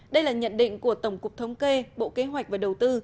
đây là nhận định của tổng cục thống kê bộ kế hoạch và đầu tư